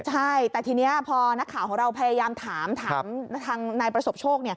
ใช่แต่ทีนี้พอนักข่าวของเราพยายามถามถามทางนายประสบโชค